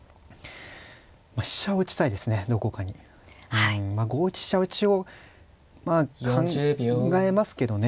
うん５一飛車打を考えますけどね。